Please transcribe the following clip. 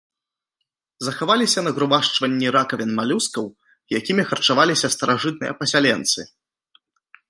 Захаваліся нагрувашчванні ракавін малюскаў, якімі харчаваліся старажытныя пасяленцы.